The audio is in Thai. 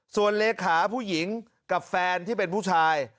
ส่วนเลขาผู้หญิงกับแฟนที่เป็นผู้ชาย